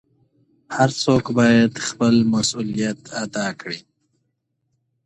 هر څوک بايد خپل مسووليت ادا کړي.